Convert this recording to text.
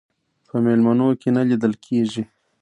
په میلمنو کې نه لیدل کېږي.